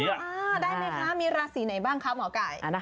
ได้ไหมคะมีราศีไหนบ้างคะหมอไก่